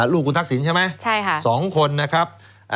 ลูกคุณทักษิณใช่ไหม๒คนนะครับ